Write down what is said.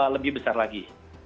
lebih besar lagi